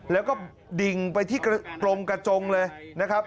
แล้วก็ดิ่งไปที่กลมกระจงเลยนะครับ